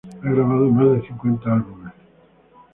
Ha grabado más de cincuenta álbumes.